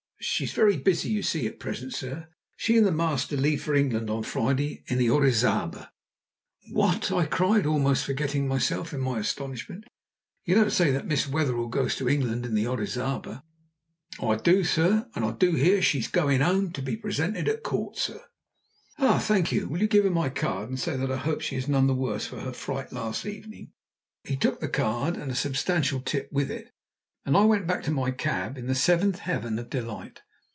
"She's very busy, you see, at present, sir. She and the master leave for England on Friday in the Orizaba." "What!" I cried, almost forgetting myself in my astonishment. "You don't mean to say that Miss Wetherell goes to England in the Orizaba?" "I do, sir. And I do hear she's goin' 'ome to be presented at Court, sir!" "Ah! Thank you. Will you give her my card, and say that I hope she is none the worse for her fright last evening?" He took the card, and a substantial tip with it, and I went back to my cab in the seventh heaven of delight.